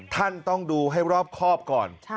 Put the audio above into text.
ท่านต้องดูให้รอบครอบก่อน